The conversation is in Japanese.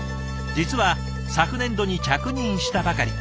実は昨年度に着任したばかり。